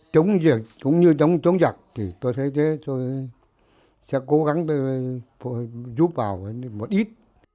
chống dịch cũng như chống giặc thì tôi thấy thế tôi sẽ cố gắng tôi giúp vào một ít